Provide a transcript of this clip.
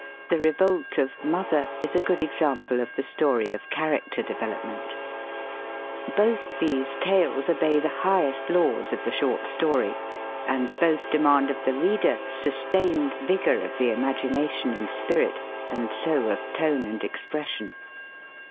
The "Revolt of 'Mother'" is a good example of the story of '' character development .'' Both these tales obey the highest laws of the short story, and both demand of the reader sus tained vigor of the imagination and spirit, and so of tone and expression.